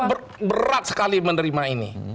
berat sekali menerima ini